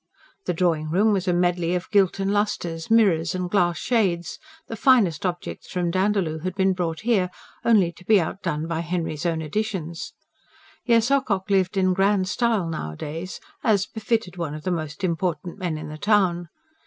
The drawing room was a medley of gilt and lustres, mirrors and glass shades; the finest objects from Dandaloo had been brought here, only to be outdone by Henry's own additions. Yes, Ocock lived in grand style nowadays, as befitted one of the most important men in the town.